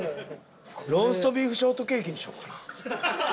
ローストビーフショートケーキにしようかな？